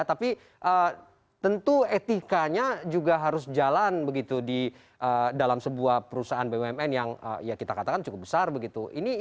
tapi tentu etikanya juga harus jalan begitu di dalam sebuah perusahaan bumn yang ya kita katakan cukup besar begitu